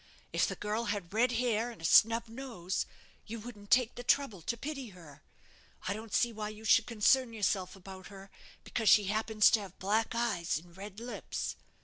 "If the girl had red hair and a snub nose, you wouldn't take the trouble to pity her. I don't see why you should concern yourself about her, because she happens to have black eyes and red lips.